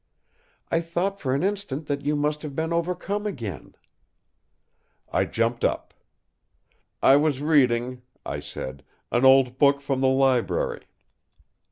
I thought for an instant that you must have been overcome again!" I jumped up. "I was reading," I said, "an old book from the library."